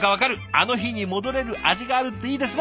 「あの日に戻れる味がある」っていいですね！